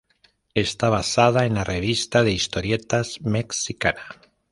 Está basada en la revista de historietas mexicana.